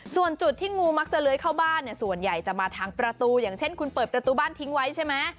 ส่วนจุดที่งูมักจะเลื้อยเข้าบ้านเนี่ยส่วนใหญ่จะมาทางประตูอย่างเช่นคุณเปิดประตูบ้านทิ้งไว้ใช่ไหม